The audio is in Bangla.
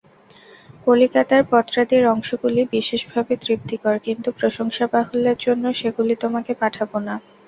কলিকাতার পত্রাদির অংশগুলি বিশেষভাবে তৃপ্তিকর, কিন্তু প্রশংসাবাহুল্যের জন্য সেগুলি তোমাকে পাঠাব না।